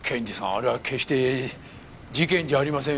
あれは決して事件じゃありませんよ。